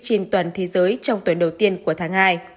trên toàn thế giới trong tuần đầu tiên của tháng hai